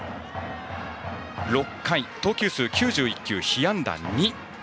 ６回、投球数９１球、被安打２。